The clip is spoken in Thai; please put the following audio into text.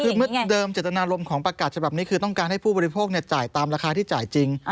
คือเมื่อเดิมเจตนารมณ์ของประกาศฉบับนี้คือต้องการให้ผู้บริโภคจ่ายตามราคาที่จ่ายจริง